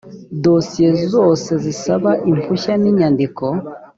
dosiye zose zisaba impushya n inyandiko